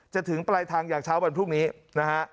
ถึงปลายทางอย่างเช้าวันพรุ่งนี้นะฮะ